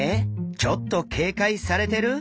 ちょっと警戒されてる？